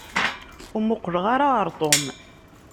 Ur muqleɣ ara ɣer Tom.